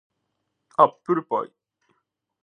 アップルパイ